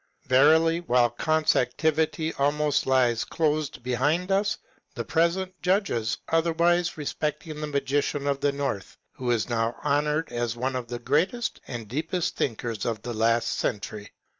'* Verily, while Eant's activity almost lies closed behind us, the present judges otherwise respecting the Magician of the North, who is now honoured as one of the greatest and deepest thinkers of last century."